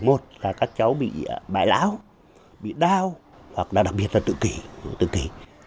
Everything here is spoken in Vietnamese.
một là các cháu bị bại láo bị đau hoặc là đặc biệt là tự kỷ